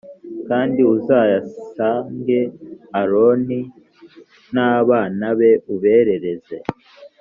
kandi uzayas ge aroni n abana be ubereze